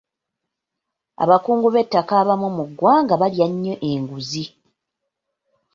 Abakungu b'ettaka abamu mu ggwanga balya nnyo enguzi.